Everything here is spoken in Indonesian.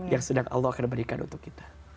yang sedang allah akan berikan untuk kita